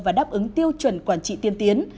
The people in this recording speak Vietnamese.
và đáp ứng tiêu chuẩn quản trị tiên tiến